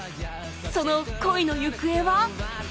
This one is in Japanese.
その恋の行方は？